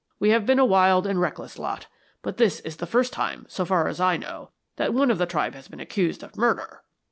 We have been a wild and reckless lot, but this is the first time, so far as I know, that one of the tribe has been accused of murder."